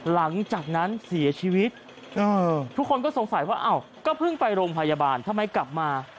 หลังจากนั้นเสียชีวิตทุกคนก็สงสัยว่าอ้าวก็เพิ่งไปโรงพยาบาลทำไมกลับมา